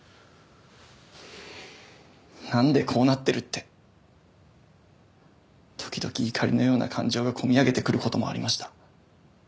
なんでこうなってるって時々怒りのような感情が込み上げてくる事もありました。